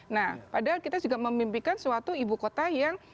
nah padahal kita juga memimpikan suatu ibu kota yang